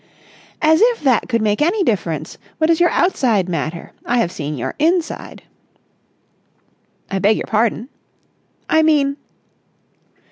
"As if that could make any difference! What does your outside matter? I have seen your inside!" "I beg your pardon?" "I mean...."